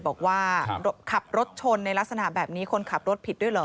บอกว่าขับรถชนในลักษณะแบบนี้คนขับรถผิดด้วยเหรอ